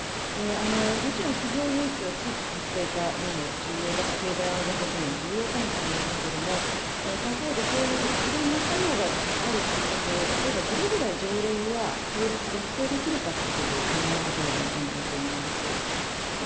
もちろん企業誘致は地域活性化にも重要だし、経済安全保障にも重要かもしれませんけども、他方で、いろんな作用があるということを、例えばどれぐらい条例や法律で規制できるかということを考えなければいけないと思います。